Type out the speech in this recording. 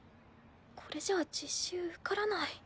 これじゃあ実習受からない。